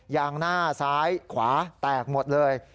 งหน้าซ้ายขวาแตกหมดเลย